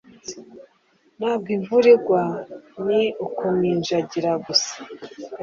Ntabwo imvura igwa. Ni ukuminjagira gusa.